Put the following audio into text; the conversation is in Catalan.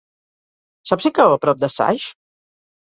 Saps si cau a prop de Saix?